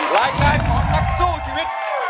รายการของนักสู้ชีวิต